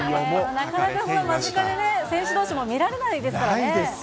なかなか間近で選手どうしも見られないですからね。